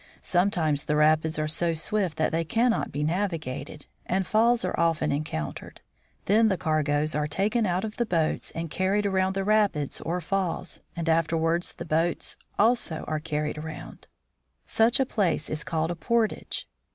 Sometimes the rapids are so swift that they cannot be navigated, and falls are often encoun tered. Then the cargoes are taken out of the boats and carried around the rapids or falls, and afterward the boats also are carried around. Such a place is called a portage.